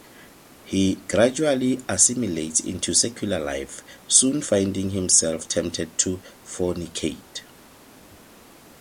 He gradually assimilates into secular life, soon finding himself tempted to fornicate.